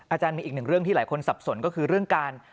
อาจารย์มีอีกหนึ่งเรื่องที่หลายคนสับสนก็คือเรื่องการ